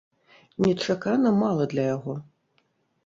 Нечакана мала для яго.